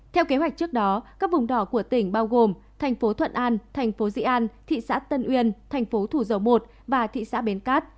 theo kế hoạch trước đó các vùng đỏ của tỉnh bao gồm thành phố thuận an thành phố dị an thị xã tân uyên thành phố thủ dầu một và thị xã bến cát